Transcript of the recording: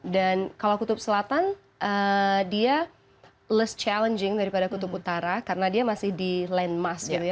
dan kalau kutub selatan dia less challenging daripada kutub utara karena dia masih di landmass gitu ya